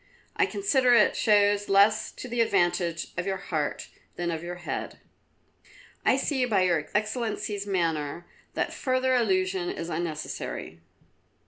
I consider it shows less to the advantage of your heart than of your head." "I see by Your Excellency's manner that further allusion is unnecessary."